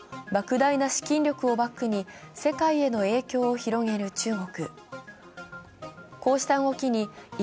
莫大な資金力をバックに、世界への影響を広げる中国。